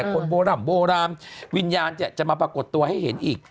คนโบร่ำโบราณวิญญาณจะมาปรากฏตัวให้เห็นอีก